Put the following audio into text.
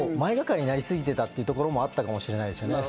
前がかりになりすぎていたところもあったかもしれない。